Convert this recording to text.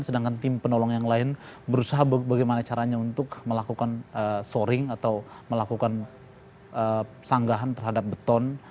sedangkan tim penolong yang lain berusaha bagaimana caranya untuk melakukan shoring atau melakukan sanggahan terhadap beton